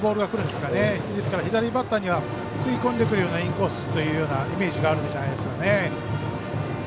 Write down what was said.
ですから左バッターには食い込んでくるようなインコースというようなイメージがあるんじゃないですかね。